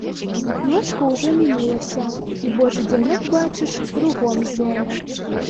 Ночка ўжо мінулася, і божы дзянёк, бачыш, кругом ззяе.